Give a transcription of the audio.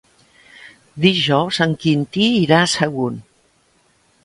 Dijous en Quintí irà a Sagunt.